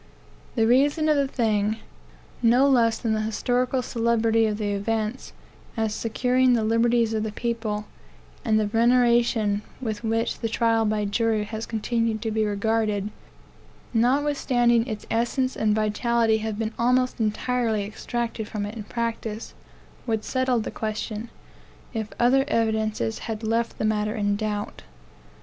The reason of the thing, no less than the historical celebrity of the events, as securing the liberties of the people, and the veneration with which the trial by jury has continued to be regarded, notwithstanding its essence and vitality have been almost entirely extracted from it in practice, would settle the question, if other evidences had left the matter in doubt.